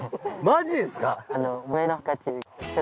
マジですか！？